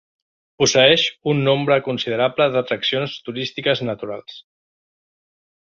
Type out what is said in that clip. Posseeix un nombre considerable d'atraccions turístiques naturals.